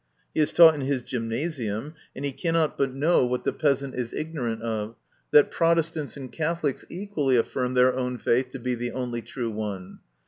He is taught in his gymnasium, and he cannot but know what the MY CONFESSION. 137 peasant is ignorant of, that Protestants and Catholics equally affirm their own faith to be the only true one.